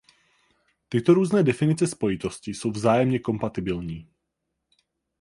Tyto různé definice spojitosti jsou vzájemně kompatibilní.